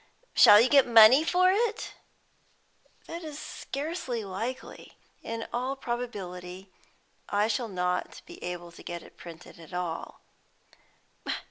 "Shall you get money for it?" "That is scarcely likely. In all probability I shall not be able to get it printed at all."